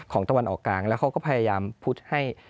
ตะวันออกกลางแล้วเขาก็พยายามพุทธให้